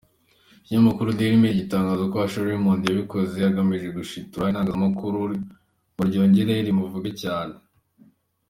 Ikinyamakuru Dailymail gitangaza ko Usher Raymond yabikoze agamije gushitura itangazamakuru ngo ryongere rimuvuge cyane.